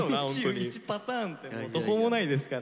２１パターンって途方もないですから。